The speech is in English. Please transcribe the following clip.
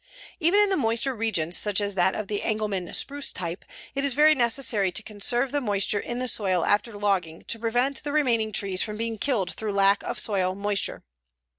Even in the moister regions, such as that of the Engelmann spruce type, it is very necessary to conserve the moisture in the soil after logging to prevent the remaining trees from being killed through lack of soil moisture.